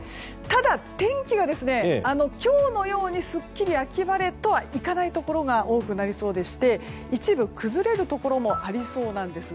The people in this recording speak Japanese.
ただ、天気が今日のようにスッキリ秋晴れとはいかないところが多くなりそうでして一部、崩れるところもありそうなんです。